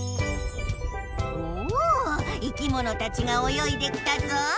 おお生きものたちがおよいできたぞ。